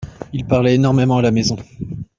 Il parlait énormément à la maison.